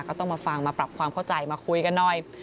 ก็ต้องมาฟังมาปรับความเข้าใจมาคุยกันหน่อย